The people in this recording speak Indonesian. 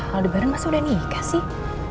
aldebaran masih udah nikah sih